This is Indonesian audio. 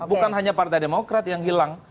bukan hanya partai demokrat yang hilang